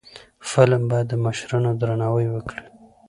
فلم باید د مشرانو درناوی وکړي